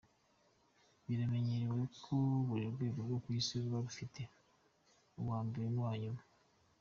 Biramenyerewe ko buri rwego rwo ku Isi ruba rufite uwa mbere n’uwa nyuma.